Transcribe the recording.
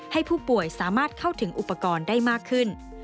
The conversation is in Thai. ให้ผู้ป่วยสามารถเข้าถึงอุปกรณ์ได้มากขึ้น